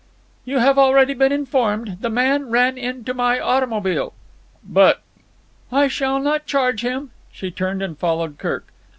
"You have already been informed. The man ran into my automobile." "But——" "I shall not charge him." She turned and followed Kirk.